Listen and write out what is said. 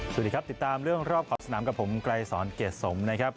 สวัสดีครับติดตามเรื่องรอบขอบสนามกับผมไกรสอนเกรดสมนะครับ